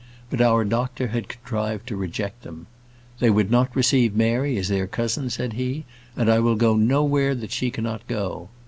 But our doctor had contrived to reject them. "They would not receive Mary as their cousin," said he, "and I will go nowhere that she cannot go."